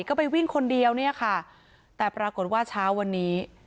ก็ไปวิ่งคนเดียวเนี่ยค่ะแต่ปรากฏว่าเช้าวันนี้